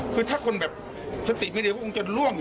คือถ้าคนสถิติไม่เร็วก็คงจะล่วง